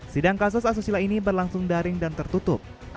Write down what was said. sidang kasus asusila ini berlangsung daring dan tertutup